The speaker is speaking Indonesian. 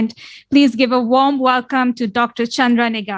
silakan beri selamat datang kepada dr chandra negara